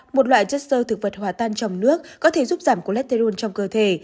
một loại chất sơ thực vật hỏa tan trong nước có thể giúp giảm colesterol trong cơ thể